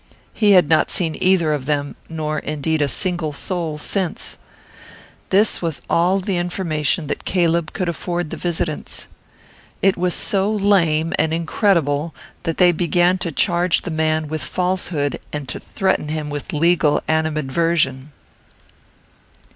He had not seen either of them, nor, indeed, a single soul since. This was all the information that Caleb could afford the visitants. It was so lame and incredible that they began to charge the man with falsehood, and to threaten him with legal animadversion.